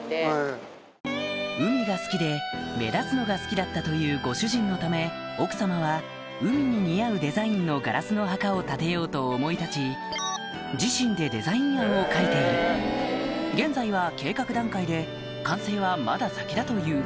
海が好きで目立つのが好きだったというご主人のため奥様は海に似合うデザインのガラスのお墓を建てようと思い立ち自身でデザイン案を描いている現在は計画段階で完成はまだ先だという